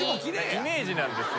イメージなんですよ。